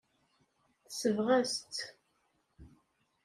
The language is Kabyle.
Tesbeɣ-as-tt.